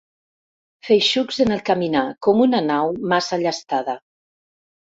Feixucs en el caminar, com una nau massa llastada.